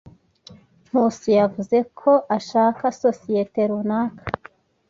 Nkusi yavuze ko ashaka sosiyete runaka.